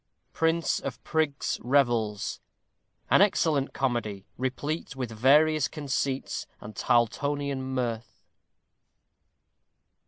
Prince of Prigs' Revels. _An excellent Comedy, replete with various conceits and Tarltonian mirth.